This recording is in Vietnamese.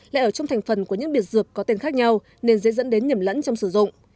lại ở trong thành phần của những biệt dược có tên khác nhau nên dễ dẫn đến nhầm lẫn trong sử dụng